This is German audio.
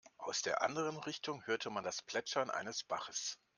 Aus der anderen Richtung hörte man das Plätschern eines Baches.